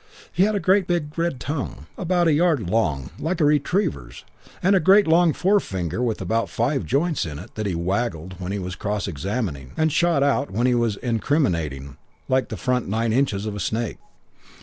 He'd a great big red tongue, about a yard long, like a retriever's, and a great long forefinger with about five joints in it that he waggled when he was cross examining and shot out when he was incriminating like the front nine inches of a snake.